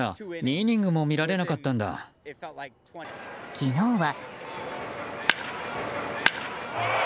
昨日は。